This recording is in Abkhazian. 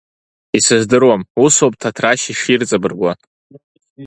Исыздыруам, усоуп Ҭаҭрашь иширҵабыргуа!